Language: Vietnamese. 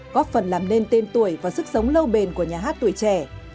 góp phần làm nên tên tuổi và sức sống lâu bền của nhà hát tuổi trẻ